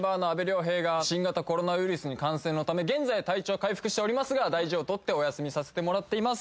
新型コロナウイルスに感染のため現在体調は回復しておりますが大事をとってお休みさせてもらっています